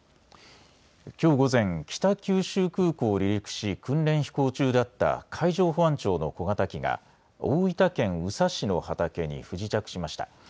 きょう午前、北九州空港を離陸し訓練飛行中だった海上保安庁の小型機が大分県宇佐市の畑に不時着しました。